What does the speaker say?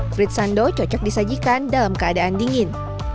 frit sando cocok disajikan dalam keadaan dingin